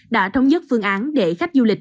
đã thống nhất phương án để khách du lịch